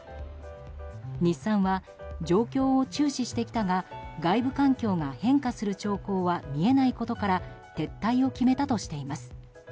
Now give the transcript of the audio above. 日産は、状況を注視してきたが外部環境が変化する兆候は見えないことから撤退を決めたとしています。